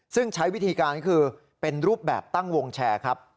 ซึ่งใช้วิธีการก็คือเป็นรูปแบบตั้งวงแชร์ครับ